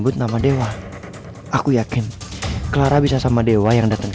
karena kaki aku masih sakit banget